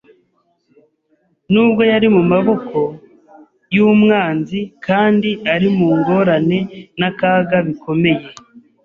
nubwo yari mu maboko y’Umwanzi, kandi ari mu ngorane n’akaga bikomeye.